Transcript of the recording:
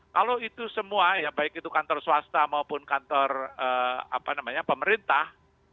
kalau itu semua ya baik itu kantor swasta maupun kantor pemerintah